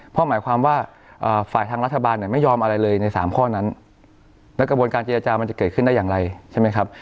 เพราะหมายความว่าฝ่ายทางรัฐบาลเนี่ยไม่ยอมอะไรเลยใน๓ข้อนั้นแล้วกระบวนการเจรจามันจะเกิดขึ้นได้อย่างไรใช่ไหมครับ